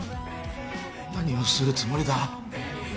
何をするつもりだ！？